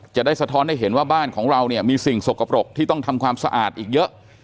สะท้อนให้เห็นว่าบ้านของเราเนี่ยมีสิ่งสกปรกที่ต้องทำความสะอาดอีกเยอะ